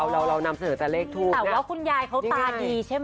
เรานำเสนอแต่เลขถูกไง